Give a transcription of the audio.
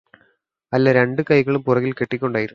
അല്ല രണ്ട് കൈകളും പുറകില് കെട്ടിക്കൊണ്ടായിരുന്നു